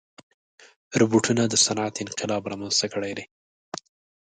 روبوټونه د صنعت انقلاب رامنځته کړی دی.